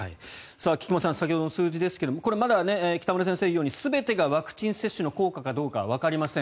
菊間さん先ほどの数字ですがこれ、まだ北村先生が言うように全てがワクチン接種の効果かどうかはわかりません。